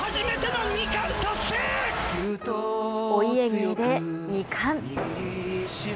お家芸で、二冠。